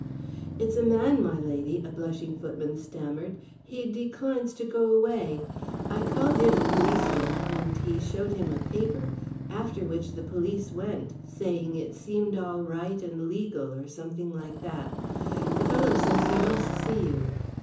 "It's a man, my lady," a blushing footman stammered. "He declines to go away. I called in a policeman, and he showed him a paper, after which the police went, saying it seemed all right and legal or something like that. The fellow says he must see you."